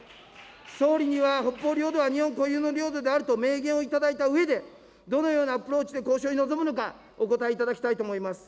総理には北方領土は、日本固有の領土であると明言をいただいたうえで、どのようなアプローチで交渉に臨むのか、お答えいただきたいと思います。